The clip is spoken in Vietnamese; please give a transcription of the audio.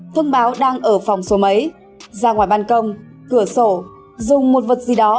thông báo đang ở phòng số mấy ra ngoài ban công cửa sổ dùng một vật gì đó